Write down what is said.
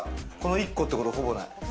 １個ってことほぼない。